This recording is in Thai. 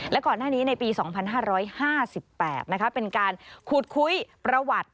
และก่อนหน้านี้ในปี๒๕๕๘เป็นการขุดคุ้ยประวัติ